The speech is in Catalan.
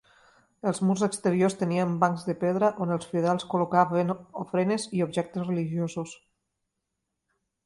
Els murs exteriors tenien bancs de pedra on els fidels col·locaven ofrenes i objectes religiosos.